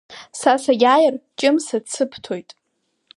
Са саиааир, Ҷымса дсыбҭоит!